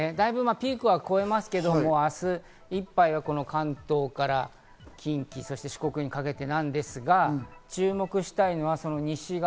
ピークは越えますけど、明日いっぱいは関東から近畿、そして四国にかけてなんですが、注目したいのは西側。